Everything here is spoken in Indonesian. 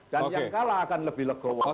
dan yang kalah akan lebih legowo